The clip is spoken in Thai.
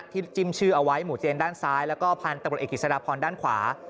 จิ้มชื่อเอาไว้หมู่เจนด้านซ้ายแล้วก็พันธุ์ตำรวจเอกกิจสดาพรด้านขวา